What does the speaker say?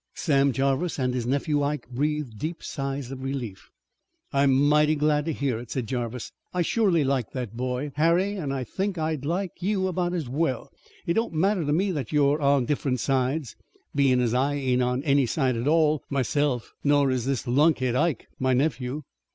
Sam Jarvis and his nephew Ike breathed deep sighs of relief. "I'm mighty glad to hear it," said Jarvis, "I shorely liked that boy, Harry, an' I think I'll like you about as well. It don't matter to me that you're on different sides, bein' as I ain't on any side at all myself, nor is this lunkhead, Ike, my nephew."